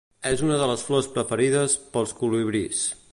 És una de les flors preferides pels colibrís.